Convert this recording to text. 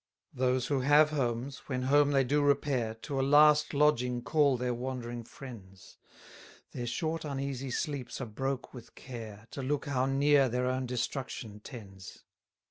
255 Those who have homes, when home they do repair, To a last lodging call their wandering friends: Their short uneasy sleeps are broke with care, To look how near their own destruction tends.